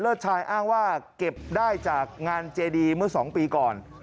ชายอ้างว่าเก็บได้จากงานเจดีเมื่อ๒ปีก่อน